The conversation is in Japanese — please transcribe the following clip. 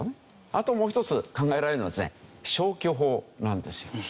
あともう一つ考えられるのはですね消去法なんですよ。